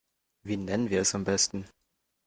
Wie nennen wir es am besten?